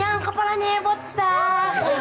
yang kepalanya botol